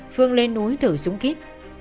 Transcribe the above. phương lên núi thử súng kíp